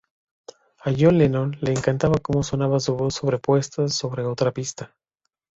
A John Lennon le encantaba como sonaba su voz sobrepuesta sobre otra pista.